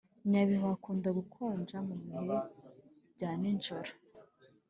Nyabihu hakunda gukonja mubihe bya nijoro